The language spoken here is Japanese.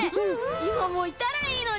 いまもいたらいいのに！